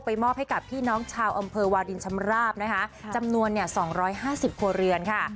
มอบให้กับพี่น้องชาวอำเภอวาดินชำราบนะคะจำนวนเนี่ย๒๕๐ครัวเรือนค่ะ